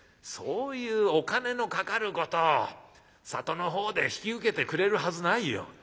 そういうお金のかかることを里の方で引き受けてくれるはずないよ」。